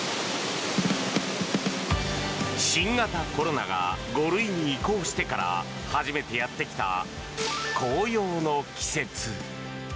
新型コロナが５類に移行してから初めてやってきた紅葉の季節。